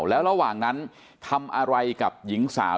แล้วระหว่างนั้นทำอะไรกับหญิงสาว